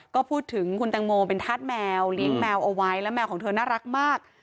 ก็พูดถึงคุณตังโมเป็นธาตุแมวเลี้ยงแมวเอาไว้แล้วแมวของเธอน่ารักมาก